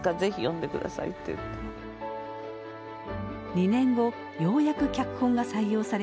２年後ようやく脚本が採用されます。